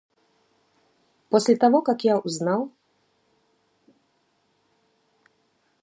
после того как я узнал,